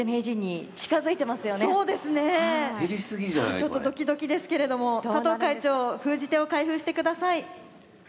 ちょっとドキドキですけれども佐藤会長封じ手を開封してください。